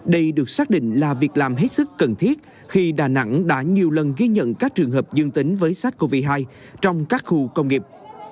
đây được xác định là việc làm hết sức cần thiết khi đà nẵng đã nhiều lần ghi nhận các trường hợp dương tính với sars cov hai trong các khu công nghiệp